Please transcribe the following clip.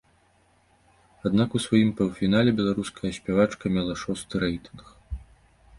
Аднак у сваім паўфінале беларуская спявачка мела шосты рэйтынг.